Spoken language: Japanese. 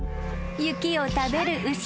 ［雪を食べる牛］